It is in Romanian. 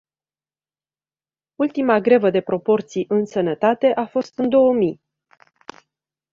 Ultima grevă de proporții, în sănătate, a fost în două mii.